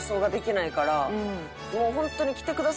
もうホントに。